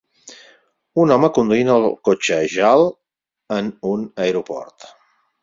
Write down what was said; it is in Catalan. Un home conduint el cotxe JAL en un aeroport.